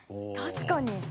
確かに。